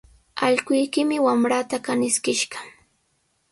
Allquykimi wamraata kaniskishqa.